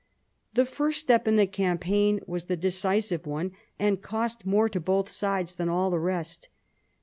The first step in the campaign was the decisive one, and cost more to both sides than all the rest.